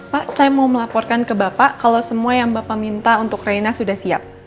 pak saya mau melaporkan ke bapak kalau semua yang bapak minta untuk reina sudah siap